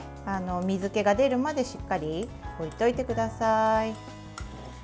水けが出るまでしっかり置いておいてください。